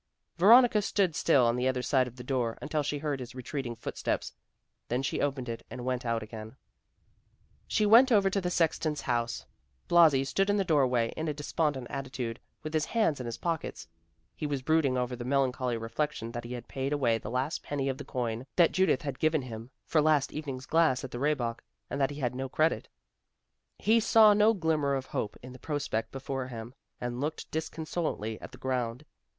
Veronica stood still on the other side of the door until she heard his retreating footsteps; then she opened it and went out again. She went over to the sexton's house. Blasi stood in the doorway, in a despondent attitude, with his hands in his pockets. He was brooding over the melancholy reflection that he had paid away the last penny of the coin that Judith had given him, for last evening's glass at the Rehbock, and that he had no credit. He saw no glimmer of hope in the prospect before him, and looked disconsolately at the ground.